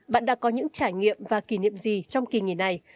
bạn đã có những trải nghiệm và kỷ niệm gì trong kỳ nghỉ này